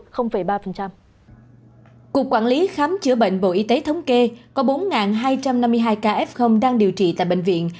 khám chữa bệnh bộ y tế thống kê có bốn hai trăm năm mươi hai ca f đang điều trị tại bệnh viện